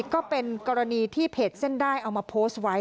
ก็เป็นกรณีที่เพจเส้นได้เอามาโพสต์ไว้